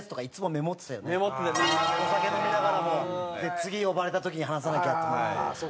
次呼ばれた時に話さなきゃと思って。